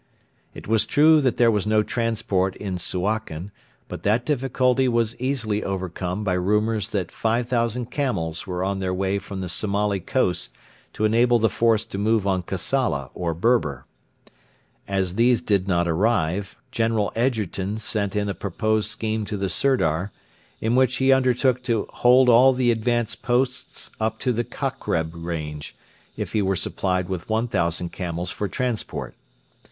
It was true that there was no transport in Suakin, but that difficulty was easily overcome by rumours that 5,000 camels were on their way from the Somali coast to enable the force to move on Kassala or Berber. As these did not arrive, General Egerton sent in a proposed scheme to the Sirdar, in which he undertook to hold all the advanced posts up to the Kokreb range, if he were supplied with 1,000 camels for transport.